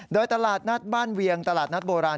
โดยตลาดนัดบ้านเวียงตลาดนัดโบราณ